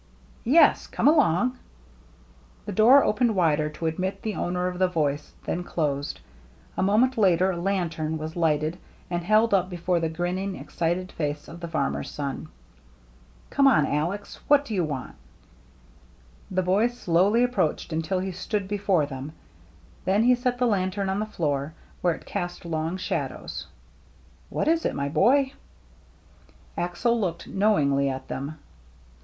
"Yes. Come along." The door opened wider to admit the owner of the voice, then closed. A moment later a lantern was lighted and held up before the grinning, excited face of the farmer's son. " Come on, Alex. What do you want ?" THE GINGHAM DRESS 283 The boy slowly approached until he stood before them ; then he set the lantern on the floor, where it cast long shadows. " What is it, my boy ?'* Axel looked knowingly at them.